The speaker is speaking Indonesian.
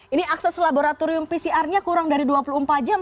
ini akses laboratorium pcr nya kurang dari dua puluh empat jam